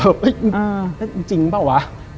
เฮ้ยจริงเปล่าวะ